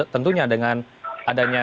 tentunya dengan adanya